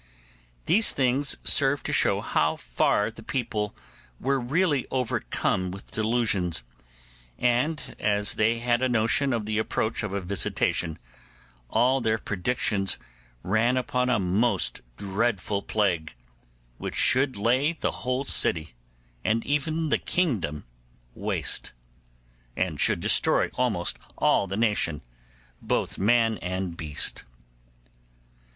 These things serve to show how far the people were really overcome with delusions; and as they had a notion of the approach of a visitation, all their predictions ran upon a most dreadful plague, which should lay the whole city, and even the kingdom, waste, and should destroy almost all the nation, both man and beast.